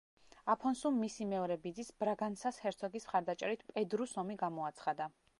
აფონსუმ მისი მეორე ბიძის, ბრაგანსას ჰერცოგის მხარდაჭერით პედრუს ომი გამოუცხადა.